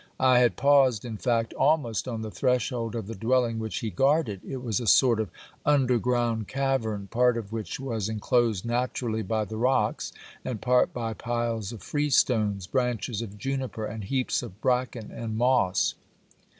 I had paused, in fact, almost on the threshold of the dwelling which he guarded. It was a sort of under ground cavern, part of which was enclosed naturally by the rocks, and part by piles of freestones, branches of juniper and heaps of bracken and moss.